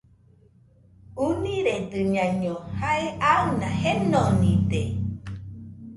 ɨniredɨñaiño jae aɨna jenonide.